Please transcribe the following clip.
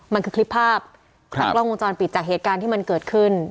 มันคือคลิปภาพจากกล้องวงจรปิดจากเหตุการณ์ที่มันเกิดขึ้น